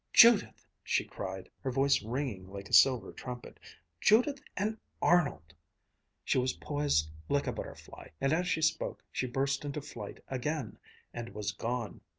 "Judith!" she cried, her voice ringing like a silver trumpet, "Judith and Arnold!" She was poised like a butterfly, and as she spoke she burst into flight again, and was gone.